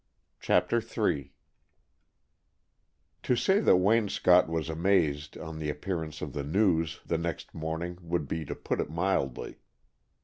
CHAPTER III To say that Waynscott was amazed on the appearance of the News the next morning would be to put it mildly.